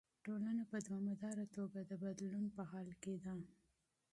ټولنه په دوامداره توګه د بدلون په حال کې ده.